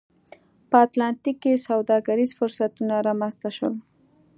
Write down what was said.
په اتلانتیک کې سوداګریز فرصتونه رامنځته شول.